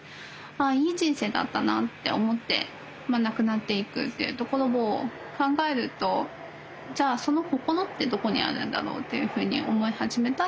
あいい人生だったなって思って亡くなっていくっていうところを考えるとじゃあその心ってどこにあるんだろうっていうふうに思い始めた。